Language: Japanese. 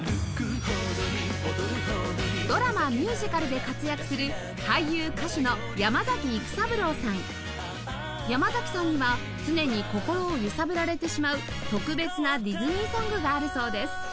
ドラマミュージカルで活躍する俳優歌手の山崎さんには常に心を揺さぶられてしまう特別なディズニーソングがあるそうです